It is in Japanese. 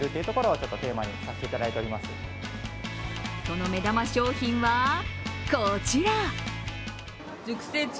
その目玉商品はこちら。